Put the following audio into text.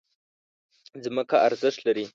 ځمکه ارزښت لري.